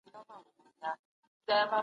شدیده سالنډۍ لرونکي حساس دي.